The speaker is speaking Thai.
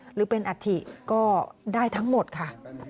หรือเป็นอัฐิก็ได้ทั้งหมดค่ะ